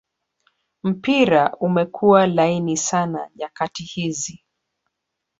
mpira umekua laini sana nyakati hizi